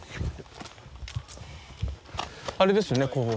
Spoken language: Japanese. あれですよね工房。